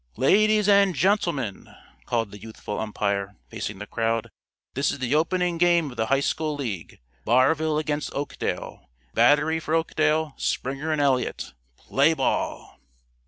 "Ladies and gentlemen," called the youthful umpire, facing the crowd, "this is the opening game of the high school league, Barville against Oakdale. Battery for Oakdale, Springer and Eliot. Play ball!"